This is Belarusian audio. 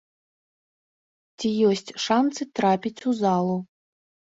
Ці ёсць шанцы трапіць у залу?